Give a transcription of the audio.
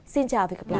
xin chào và hẹn gặp lại